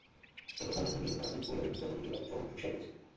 এ কথার মধ্য দিয়ে তারা লূত পরিবারের নিন্দা করতে গিয়ে তাদের চরম প্রশংসাই করেছে।